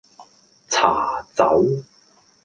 茶走